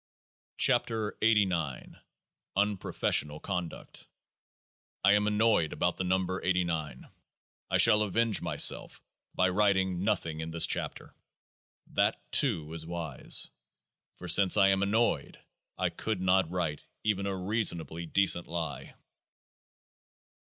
106 KEOAAH 110 UNPROFESSIONAL CONDUCT I am annoyed about the number 89. I shall avenge myself by writing nothing in this chapter. That, too, is wise ; for since I am annoyed, I could not write even a reasonably decent lie.